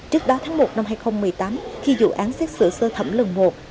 trước đó tháng một năm hai nghìn một mươi tám khi vụ án xét xử sơ thẩm lần một